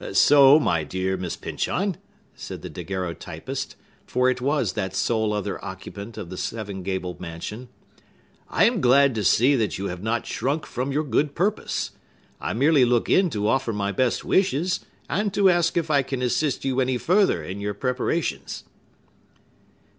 "So, my dear Miss Pyncheon," said the daguerreotypist,—for it was that sole other occupant of the seven gabled mansion,—"I am glad to see that you have not shrunk from your good purpose. I merely look in to offer my best wishes, and to ask if I can assist you any further in your preparations."